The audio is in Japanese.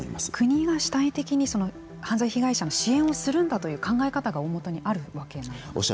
国が主体的に犯罪被害者の支援をするんだという考え方が大もとにあるわけなんですね。